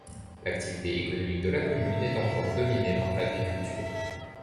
L'activité économique de la commune est encore dominée par l'agriculture.